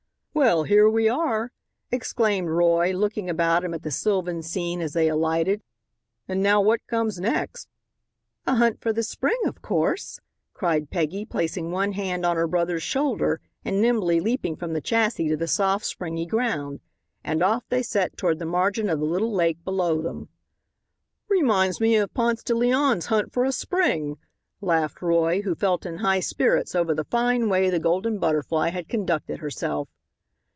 "Well, here we are," exclaimed Roy, looking about him at the sylvan scene as they alighted; "and now what comes next?" "A hunt for the spring, of course," cried Peggy, placing one hand on her brother's shoulder and nimbly leaping from the chassis to the soft, springy ground. And off they set toward the margin of the little lake below them. "Reminds me of Ponce de Leon's hunt for a spring," laughed Roy, who felt in high spirits over the fine way the Golden Butterfly had conducted herself.